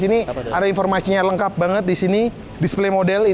jadi ada informasinya lengkap banget di sini disini dis somebody i